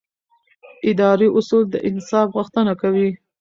اداري اصول د انصاف غوښتنه کوي.